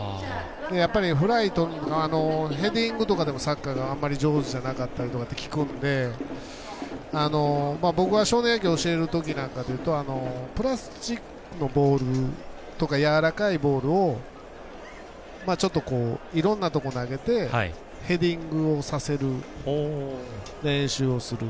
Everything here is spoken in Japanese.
やっぱりフライとるのはヘディングとかサッカーが、あまり上手じゃなかったりとか聞くんで僕は少年野球を教えるときなんかで言うとプラスチックのボールとかやわらかいボールをちょっといろんなところに投げてヘディングをさせる練習をする。